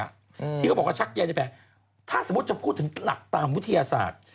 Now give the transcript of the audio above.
ที่เขาบอกว่าชักใยไปถ้าสมมุติจะพูดถึงหลักตามวิทยาศาสตร์